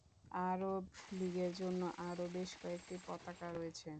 আরব লীগের জন্য আরও বেশ কয়েকটি পতাকা রয়েছে।